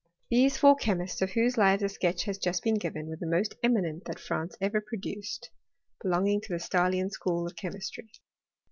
These four chemists, of whose lives a sketch has just been given, were the most eminent that France ever produced belonging to the Stahlian school of che mistry.